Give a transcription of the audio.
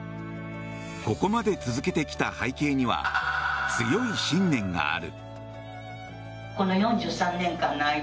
ここまで続けてきた背景には強い信念がある。